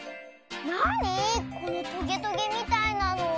なにこのトゲトゲみたいなの？